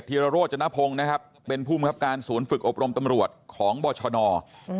ที่เกียจไทรโรตใจนนพงูเป็นผู้มีรับการสวนฝึกอบรมตำรวจของบรชนอล